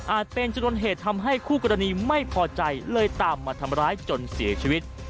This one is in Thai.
เป็นจนวนเหตุทำให้คู่กรณีไม่พอใจเลยตามมาทำร้ายจนเสียชีวิต